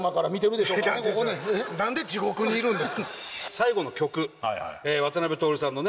最後の曲渡辺徹さんのね